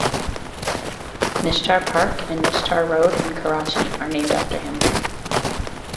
Nishtar Park and Nishtar Road in Karachi are named after him.